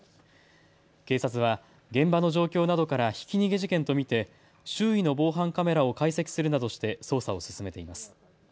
警察は現場の状況などからひき逃げ事件と見て周囲の防犯カメラを解析するなどして捜査を進めています。